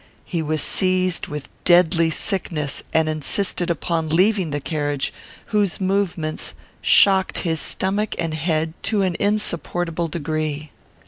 He was seized with deadly sickness, and insisted upon leaving the carriage, whose movements shocked his stomach and head to an insupportable degree.